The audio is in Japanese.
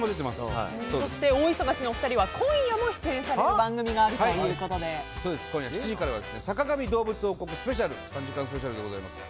そして大忙しの２人は今夜も出演される今夜７時からは「坂上どうぶつ王国」スペシャル３時間スペシャルでございます。